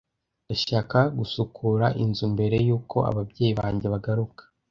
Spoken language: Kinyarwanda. Ndashaka gusukura inzu mbere yuko ababyeyi banjye bagaruka.